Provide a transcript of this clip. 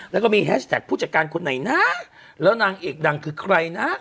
แล้วก็มีแฮชแท็กผู้จัดการคนไหนนะแล้วนางเอกดังคือใครนะ